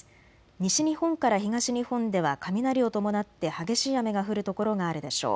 西日本から東日本では雷を伴って激しい雨が降る所があるでしょう。